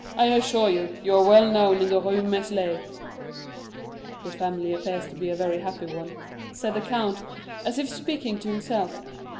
I assure you, you are well known in the Rue Meslay." "Your family appears to be a very happy one," said the count, as if speaking to himself.